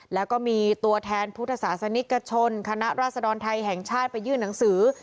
แล้วก็มีตัวแทนพุทธศาสนิกชนคณะราษฎรไทยแห่งชาติไปยื่นหนังสือ